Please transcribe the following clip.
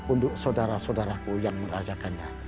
untuk saudara saudaraku yang merajakannya